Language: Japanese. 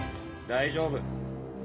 大丈夫。